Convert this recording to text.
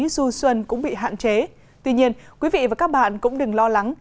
du xuân cũng bị hạn chế tuy nhiên quý vị và các bạn cũng đừng lo lắng